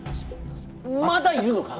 まだいるのか！？